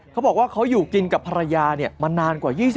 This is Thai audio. เขาบอกว่าเขาอยู่กินกับภรรยามานานกว่า๒๐